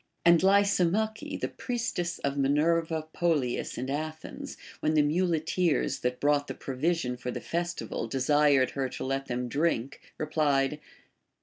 And Lysimache, the priestess of Minerva Polias in Athens, when the muleteers that brought the pro vision for the festival desired her to let them drink, replied.